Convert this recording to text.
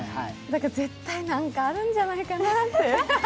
絶対何かあるんじゃないかなって。